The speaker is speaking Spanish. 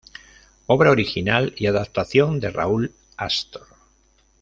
Obra original y adaptación de Raúl Astor.